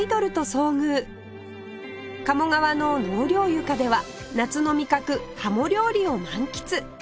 鴨川の納涼床では夏の味覚ハモ料理を満喫